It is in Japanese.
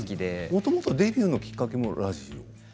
もともとデビューのきっかけもラジオ？